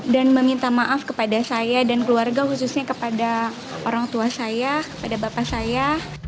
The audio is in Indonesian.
dan meminta maaf kepada saya dan keluarga khususnya kepada orang tua saya kepada bapak saya